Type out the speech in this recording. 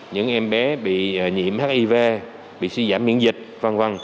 những em bé bị nhiễm hiv bị suy giảm miễn dịch v v